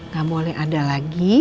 gak boleh ada lagi